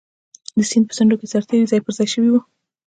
د سیند په څنډو کې سرتېري ځای پر ځای شوي وو.